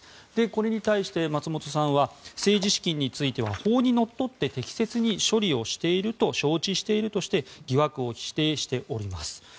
これに対して松本さんは政治資金については法にのっとって適切に処理をしていると承知しているとして疑惑を否定しております。